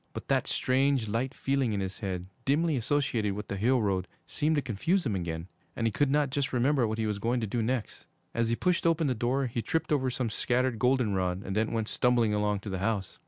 But that strange, light feeling in his head, dimly associated with the hill road, seemed to confuse him again and he could not just remember what he was going to do next. As he pushed open the door, he tripped over some scattered goldenrod, and then went stumbling along to the house.